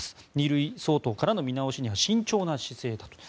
２類相当からの見直しには慎重な姿勢だと。